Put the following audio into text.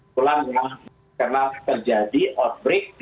pulangnya karena terjadi outbreak